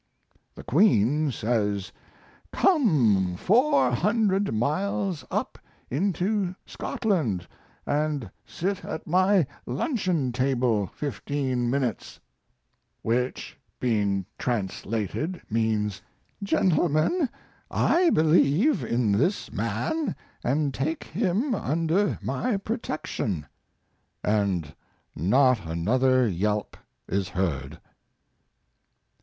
The Queen says, "Come four hundred miles up into Scotland and sit at my luncheon table fifteen minutes"; which, being translated, means, "Gentlemen, I believe in this man and take him under my protection"; and not another yelp is heard.